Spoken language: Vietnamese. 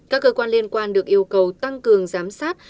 các cơ quan liên quan được yêu cầu tăng cường giám sát